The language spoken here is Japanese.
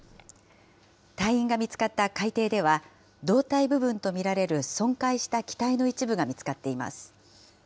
隊員が見つかった海底では、胴体部分と見られる損壊した機体の一部が見つかっています。